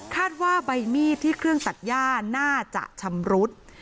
ว่าใบมีดที่เครื่องตัดย่าน่าจะชำรุด